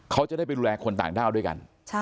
เขาจะได้ไปดูแลคนต่างด้าวด้วยกัน